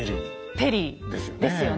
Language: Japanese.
ペリーですよね。